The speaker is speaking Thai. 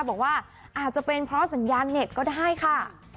บอกว่าอาจจะเป็นเพราะสัญญาณเน็ตก็ได้ค่ะ